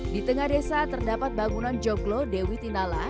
di tengah desa terdapat bangunan joglo dewi tinala